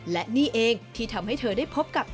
และนี่เองที่ทำให้เธอได้พบกับ